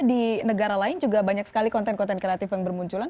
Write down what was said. di negara lain juga banyak sekali konten konten kreatif yang bermunculan